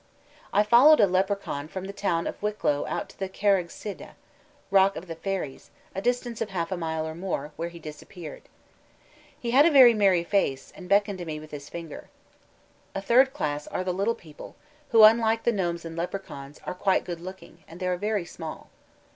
I followed a Leprechaun from the town of Wicklow out to the Carraig Sidhe, "Rock of the Fairies," a distance of half a mile or more, where he disappeared. He had a very merry face, and beckoned to me with his finger. A third class are the Little People, who, unlike the Gnomes and Leprechauns, are quite good looking; and they are very small.